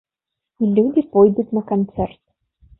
І людзі пойдуць на канцэрт!